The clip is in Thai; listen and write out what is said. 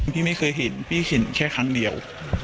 พี่ไม่เคยเห็นพี่เห็นแค่ครั้งเดียว